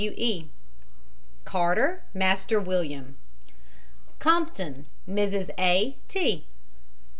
W. E. CARTER, MASTER WILLIAM. COMPTON, MRS. A. T.